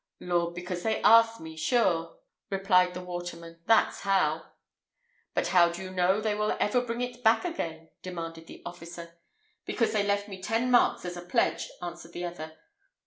"Lord! because they asked me, sure," replied the waterman; "that's how." "But how do you know they will ever bring it back again?" demanded the officer. "Because they left me ten marks as a pledge," answered the other.